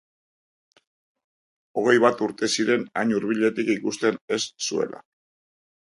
Hogei bat urte ziren hain hurbiletik ikusten ez zuela.